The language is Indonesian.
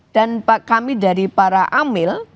dan kami dari para amil